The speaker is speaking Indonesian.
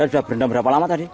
sudah berendam berapa lama tadi